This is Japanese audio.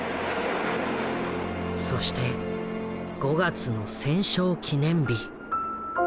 そして５月の戦勝記念日。